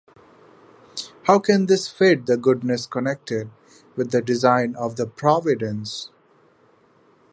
How can this fit with the goodness connected with the design of providence?